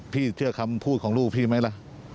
พี่เชื่อคำพูดของลูกพี่ไหมล่ะ